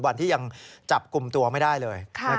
วันที่ยังจับกลุ่มตัวไม่ได้เลย